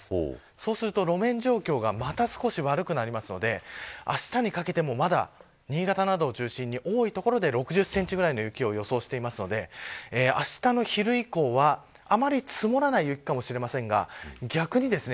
そうすると路面状況が、また悪くなるのであしたにかけても、まだ新潟などを中心に、多い所で６０センチくらいの雪を予想していますのであしたの昼以降はあまり積もらない雪かもしれませんが逆にですね